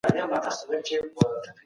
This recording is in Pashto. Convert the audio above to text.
ماشومانو ډېرې پوښتني وکړې.